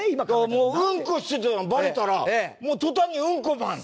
もううんこしてたのがバレたらもう途端に「うんこマン」。